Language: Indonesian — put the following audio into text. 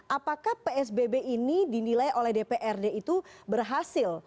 apakah psbb ini dinilai oleh dprd itu berhasil